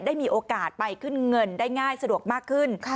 ได้มีโอกาสไปขึ้นเงินได้ง่ายสะดวกมากขึ้น